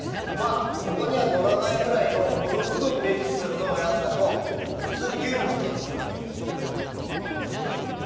ここには載らないくらいのものすごいページ数のやつだと普通にゲームとかできるわけ。